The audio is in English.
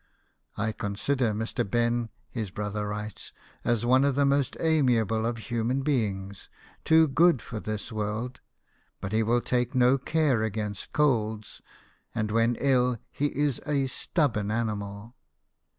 " I consider Mr. Ben," his brother writes, "as one of the most amiable of human beings too good for this world but he will tak(i no care against colds, and when ill he is a stubborn animal."